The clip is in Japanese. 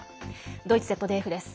ドイツＺＤＦです。